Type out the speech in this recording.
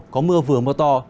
có mưa vừa mưa to